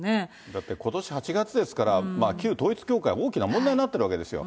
だってことし８月ですから、旧統一教会、大きな問題になっているわけですよ。